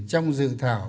trong dự thảo